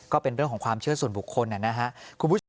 ก็เป็นเรื่องของความเชื่อส่วนบุคคลนะครับ